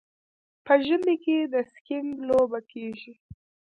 په ژمي کې د سکیینګ لوبه کیږي.